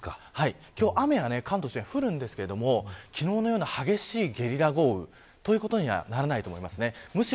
今日、雨は関東周辺は降るんですけれども昨日のような激しいゲリラ雷雨というようなことにはならないと思います。